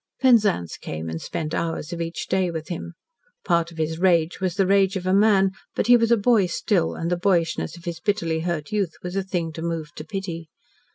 Penzance came and spent hours of each day with him. Part of his rage was the rage of a man, but he was a boy still, and the boyishness of his bitterly hurt youth was a thing to move to pity.